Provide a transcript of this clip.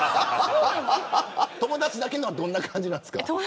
友達だけのはどんな感じなんですか。